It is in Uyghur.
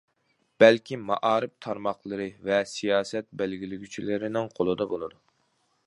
بەلكى مائارىپ تارماقلىرى ۋە سىياسەت بەلگىلىگۈچىلىرىنىڭ قولىدا بولىدۇ.